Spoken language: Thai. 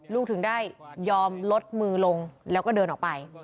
ถึงได้ยอมลดมือลงแล้วก็เดินออกไป